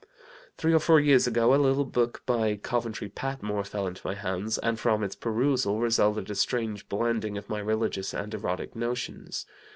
"Three or four years ago a little book by Coventry Patmore fell into my hands, and from its perusal resulted a strange blending of my religious and erotic notions.